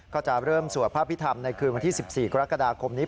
ก็จะเริ่มสวดพระพิธรรมในคืนวันที่๑๔กรกฎาคมนี้